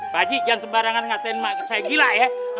pak ji jangan sembarangan ngasain emak saya gila ya